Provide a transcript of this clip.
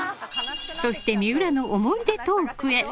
そして水卜の思い出トークへ。